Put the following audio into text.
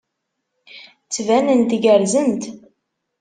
Ttbanent gerrzent.